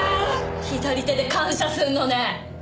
左手で感謝するのね！